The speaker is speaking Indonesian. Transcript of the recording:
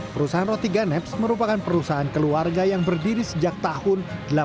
perusahaan roti ganeps merupakan perusahaan keluarga yang berdiri sejak tahun seribu delapan ratus delapan puluh